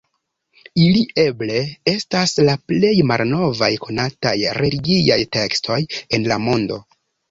Ili eble estas la plej malnovaj konataj religiaj tekstoj en la mondo.